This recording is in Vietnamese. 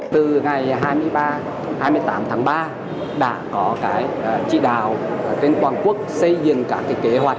từ ngày hai mươi ba hai mươi tám tháng ba đã có chỉ đạo trên toàn quốc xây dựng các kế hoạch